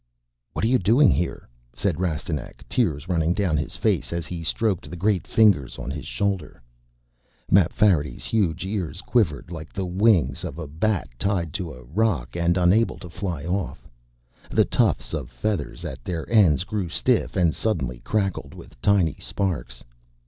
"What are you doing here?" said Rastignac, tears running down his face as he stroked the great fingers on his shoulder. Mapfarity's huge ears quivered like the wings of a bat tied to a rock and unable to fly off. The tufts of feathers at their ends grew stiff and suddenly crackled with tiny sparks.